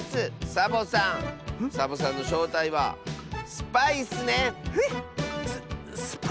サボさんサボさんのしょうたいはスパイッスね！へ？